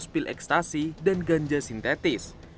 satu lima ratus pil ekstasi dan ganja sintetis